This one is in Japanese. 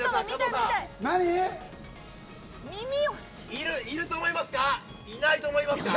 いると思いますか？